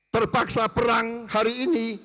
terpaksa perang hari ini